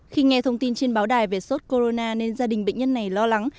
khi nghe thông tin trên báo đài về sốt corona nên gia đình bệnh nhân này lo lắng